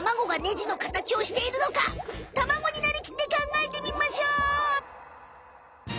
卵になりきって考えてみましょう！